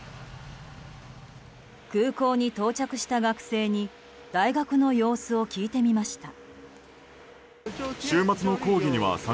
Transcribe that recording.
空港に到着した学生に大学の様子を聞いてみました。